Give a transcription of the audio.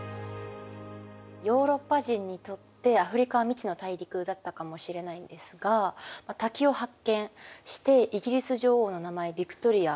ヨーロッパ人にとってアフリカは未知の大陸だったかもしれないんですが滝を発見してイギリス女王の名前ヴィクトリアですね